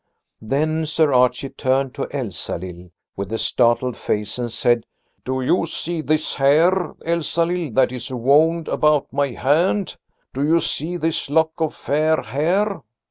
Then Sir Archie turned to Elsalill with a startled face and said: "Do you see this hair, Elsalill, that is wound about my hand? Do you see this lock of fair hair?"